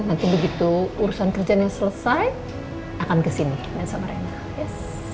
nanti begitu urusan kerjaan yang selesai akan kesini dengan sama reina yes